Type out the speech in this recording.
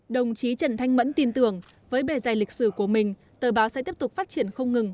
đồng chí trần thanh mẫn tin tưởng với bề dày lịch sử của mình tờ báo sẽ tiếp tục phát triển không ngừng